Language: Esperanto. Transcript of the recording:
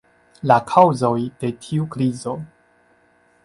La kaŭzoj de tiu krizo?